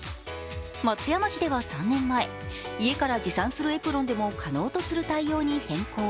松山市では３年前、家から持参するエプロンでも可能とする対応に変更。